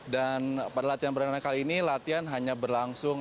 dan pada latihan perdana kali ini latihan hanya berlangsung